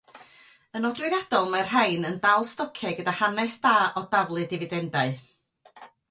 Yn nodweddiadol mae'r rhain yn dal stociau gyda hanes da o dalu difidendau.